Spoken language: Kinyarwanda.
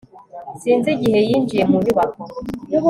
Sinzi igihe yinjiye mu nyubako